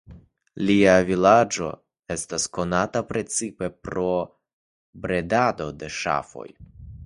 La vilaĝo estas konata precipe pro bredado de ŝafoj.